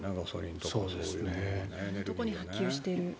色んなところに波及している。